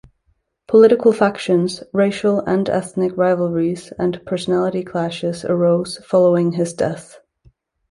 Political factions, racial and ethnic rivalries, and personality clashes arose following his death.